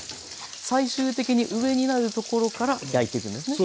最終的に上になるところから焼いていくんですね。